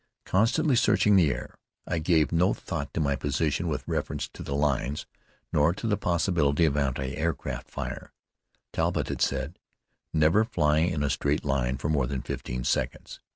Constantly searching the air, I gave no thought to my position with reference to the lines, nor to the possibility of anti aircraft fire. Talbott had said: "Never fly in a straight line for more than fifteen seconds.